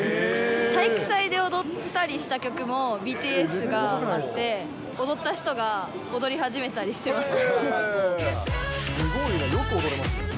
体育祭で踊ったりした曲もＢＴＳがあって、踊った人が踊り始めたりしてました。